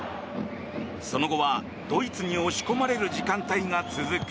その後はドイツに押し込まれる時間帯が続く。